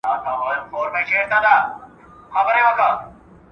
زما له میني لوی ښارونه لمبه کیږي.